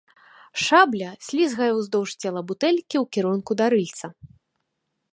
Шабля слізгае ўздоўж цела бутэлькі ў кірунку да рыльца.